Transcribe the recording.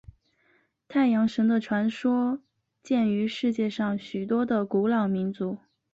太阳神的传说见于世界上许多的古老民族。